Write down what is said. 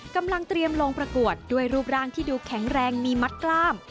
กำลังเตรียมลงประกวดด้วยรูปร่างที่ดูแข็งแรงมีมัดกล้าม